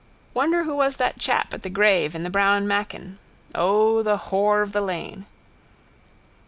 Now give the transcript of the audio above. Wonder who was that chap at the grave in the brown macin. O, the whore of the lane!